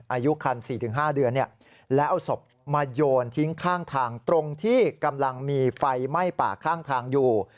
อายุคัน๔๕เดือนแล้วเอาศพมาโยนทิ้งข้างทางตรงที่กำลังมีไฟไหม้ป่าข้างทางอยู่